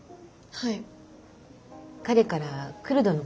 はい。